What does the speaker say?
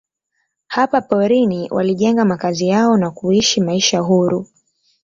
Hapa porini walijenga makazi yao na kuishi maisha huru.